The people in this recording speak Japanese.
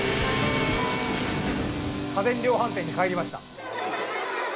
家電量販店に帰りました。